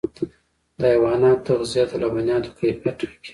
د حیواناتو تغذیه د لبنیاتو کیفیت ټاکي.